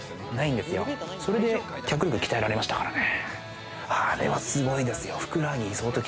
それで脚力、鍛えられましたからね。